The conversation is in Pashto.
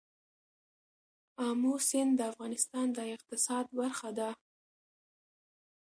آمو سیند د افغانستان د اقتصاد برخه ده.